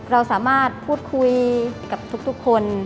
เราสามารถพูดคุยกับทุกคน